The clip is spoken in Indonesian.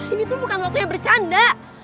ini tuh bukan waktunya bercanda